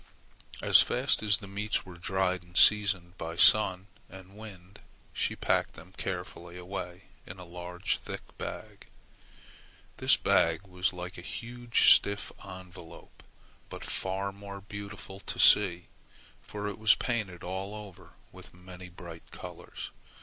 As fast as the meats were dried and seasoned by sun and wind, she packed them carefully away in a large thick bag. This bag was like a huge stiff envelope, but far more beautiful to see, for it was painted all over with many bright colors.